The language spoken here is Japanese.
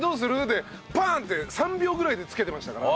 でパン！って３秒ぐらいで付けてましたから。